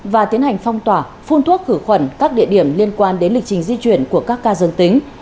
và tiến hành phong tỏa phun thuốc khử khuẩn các địa điểm liên quan đến lịch trình di chuyển của các ca dân tính